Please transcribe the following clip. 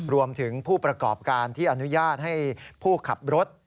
ผู้ประกอบการที่อนุญาตให้ผู้ขับรถ